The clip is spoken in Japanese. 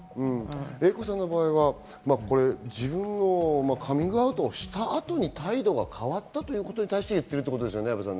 Ａさんの場合はカミングアウトした後に態度が変わったということに対して言ってるんですよね、阿部さん。